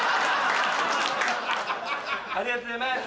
ありがとうございます。